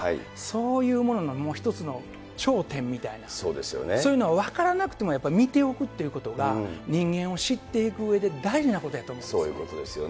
そういうものの一つの頂点みたいな、そういうの分からなくても、やっぱり見ておくっていうことが、人間を知っていくうえで大事なことやと思うんですよ。